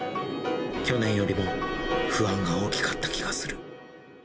去年よりも不安が大きかった気がする。